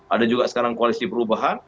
ada juga sekarang koalisi perubahan